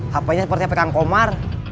hpnya seperti hp kang komar